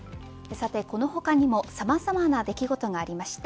さてこの他にもさまざまな出来事がありました。